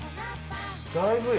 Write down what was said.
だいぶよ